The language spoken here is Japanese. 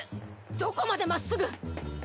どこまで真っ直ぐ！？